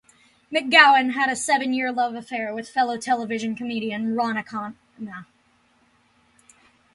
McGowan had a seven-year love affair with fellow television comedian Ronni Ancona.